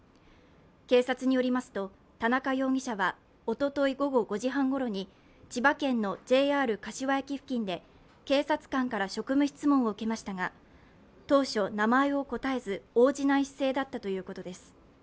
警察によりますと、田中容疑者はおととい午後５時半ごろに千葉県のＪＲ柏駅付近で警察官から職務質問を受けましたが当初、名前を答えず、応じない姿勢だったということです。